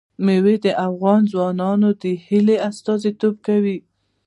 مېوې د افغان ځوانانو د هیلو استازیتوب کوي.